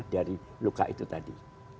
dari luka itu tadi